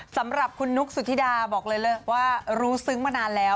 สำหรับคุณนุ๊กสุธิดาบอกเลยว่ารู้ซึ้งมานานแล้ว